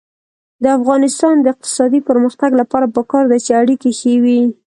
د افغانستان د اقتصادي پرمختګ لپاره پکار ده چې اړیکې ښې وي.